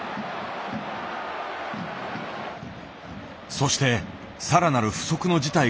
そして更なる不測の事態が起きた。